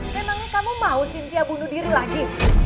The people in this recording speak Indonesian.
memang kamu mau cynthia bunuh diri lagi